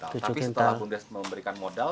tapi setelah bumdes memberikan modal